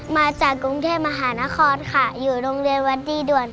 มาจากกรุงเทพมหานครค่ะอยู่โรงเรียนวัดดีด่วน